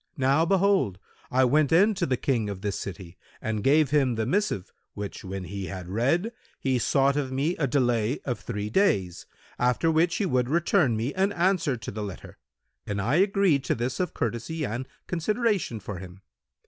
Now, behold, I went in to the King of this city and gave him the missive, which when he had read, he sought of me a delay of three days, after which he would return me an answer to the letter and I agreed to this of courtesy and consideration for him.